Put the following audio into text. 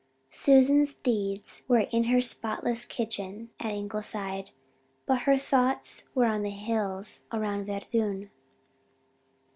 Susan's deeds were in her spotless kitchen at Ingleside, but her thoughts were on the hills around Verdun.